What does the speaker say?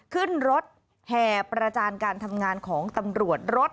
ขึ้นรถแห่ประจานการทำงานของตำรวจรถ